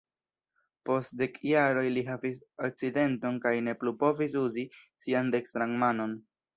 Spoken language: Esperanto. Post dek jaroj li havis akcidenton kaj ne plu povis uzi sian dekstran manon.